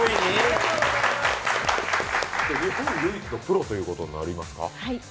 日本唯一のプロということになりますか？